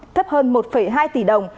thấp hơn một hai tỷ đồng